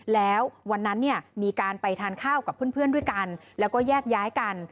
แล้ววันนั้นเนี่ยมีการไปทานข้าวกับเพื่อนด้วยกันแล้วก็แยกย้ายกัน